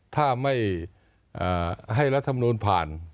ถ้าไม่ให้รัฐมนูลผ่าน